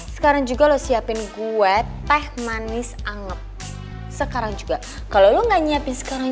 sekarang juga lo siapin gue teh manis anget sekarang juga kalau lo nggak nyiapin sekarang